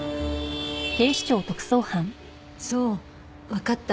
そうわかった。